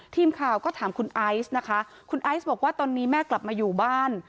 ทีมข่าวก็ถามคุณไอซ์นะคะคุณไอซ์บอกว่าตอนนี้แม่กลับมาอยู่บ้าน